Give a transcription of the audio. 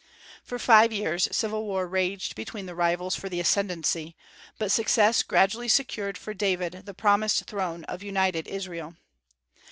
For five years civil war raged between the rivals for the ascendency, but success gradually secured for David the promised throne of united Israel.